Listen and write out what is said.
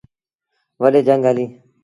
وڏيٚ جھنگ هليٚ۔